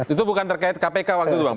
itu bukan terkait kpk waktu itu bang